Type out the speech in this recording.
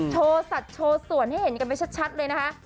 โชว์สัตว์โชว์ส่วนให้เห็นกันไปชัดเลยนะคะ